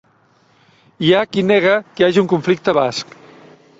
Hi ha qui nega que hi hagi un conflicte basc.